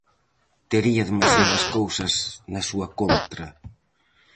Tería demasiadas cousas na súa contra.